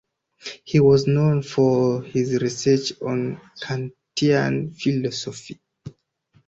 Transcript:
He was known for his research on Kantian philosophy.